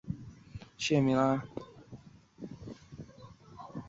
该版本讲述了一只小鲨鱼成长及吃掉一位游泳者的故事。